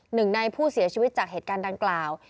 หนึ่งในผู้เสียชีวิตจากเหตุการณ์ดังกล่าว